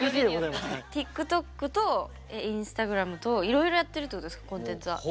ＴｉｋＴｏｋとインスタグラムといろいろやってるってことですかコンテンツは？